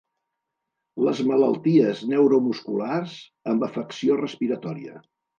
Les malalties neuromusculars amb afectació respiratòria.